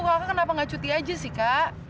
ibu kakak kenapa gak cuti aja sih kak